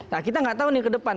nah kita nggak tahu nih ke depan